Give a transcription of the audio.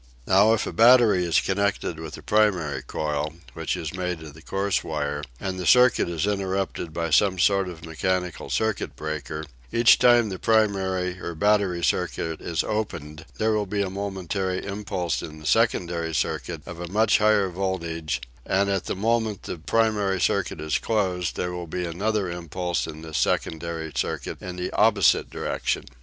If now a battery is connected with the primary coil, which is made of the coarse wire, and the circuit is interrupted by some sort of mechanical circuit breaker, each time the primary or battery circuit is opened there will be a momentary impulse in the secondary circuit of a much higher voltage; and at the moment the primary circuit is closed there will be another impulse in this secondary circuit in the opposite direction.